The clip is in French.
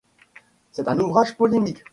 C’est un ouvrage polémique.